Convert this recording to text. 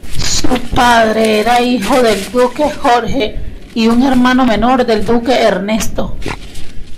Su padre era hijo del Duque Jorge y un hermano menor del Duque Ernesto.